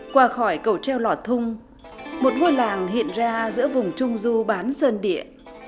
qua khỏi cầu treo lò thung một ngôi làng hiện ra giữa vùng trung du bán sơn địa